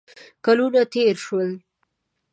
کلونه تېر شول.